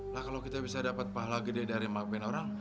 lah kalau kita bisa dapat pahala gede dari marven orang